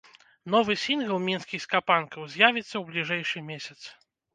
Новы сінгл мінскіх ска-панкаў з'явіцца ў бліжэйшы месяц.